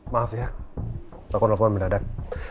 maaf ya aku nelfon mendadak